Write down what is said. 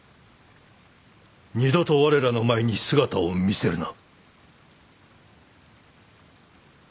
二度と我らの前に姿を見せるな。